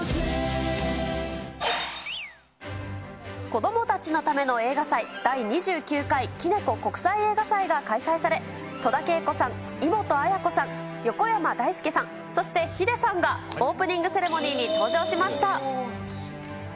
子どもたちのための映画祭、第２９回キネコ国際映画祭が開催され、戸田恵子さん、イモトアヤコさん、横山だいすけさん、そしてヒデさんが、オープニングセレモニーに登場しました。